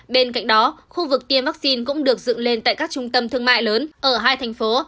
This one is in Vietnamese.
bên cạnh đó khu vực tiêm vaccine cũng được dựng lên tại các trung tâm thương mại lớn ở hai thành phố